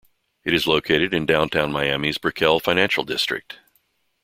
It is located in Downtown Miami's Brickell Financial District.